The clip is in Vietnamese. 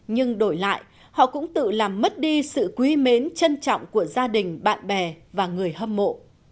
nhưng đổi lại họ cũng tự làm mất đi sự quý mến trân trọng của gia đình bạn bè và người hâm mộ